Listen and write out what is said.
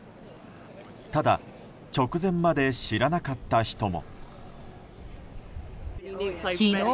ただ直前まで知らなかった人も。